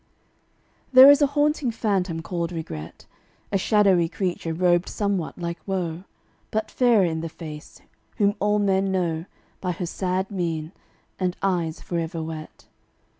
There is a haunting phantom called Regret, A shadowy creature robed somewhat like Woe, But fairer in the face, whom all men know By her sad mien and eyes forever wet.